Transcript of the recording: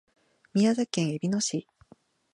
宮崎県えびの市